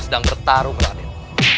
k sau menjadi pertanian